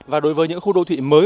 và đối với những khu đô thị mới